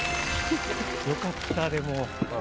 よかったでも。